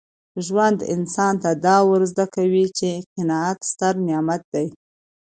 ژوند انسان ته دا ور زده کوي چي قناعت ستر نعمت دی.